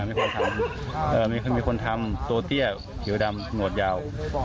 มีคนทำมีคนทำตัวเตี้ยผิวดำหนวดยาว